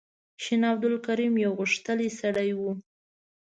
شین عبدالکریم یو غښتلی سړی و.